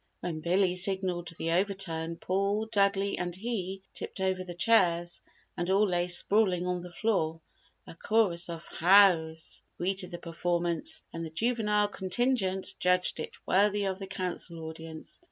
When Billy signalled the overturn, Paul, Dudley and he, tipped over the chairs and all lay sprawling on the floor. A chorus of "Hows" greeted the performance and the juvenile contingent judged it worthy of the Council audience.